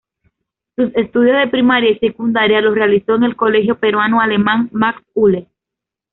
Sus estudios de primaria y secundaria los realizó en el Colegio Peruano-Alemán "Max Uhle".